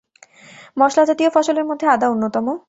মশলা জাতীয় ফসলের মধ্যে আদা অন্যতম।